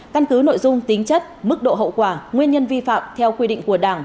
căn cứ nội dung tính chất mức độ hậu quả nguyên nhân vi phạm theo quy định của đảng